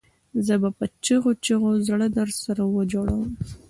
زه به په چیغو چیغو زړه درسره وژړوم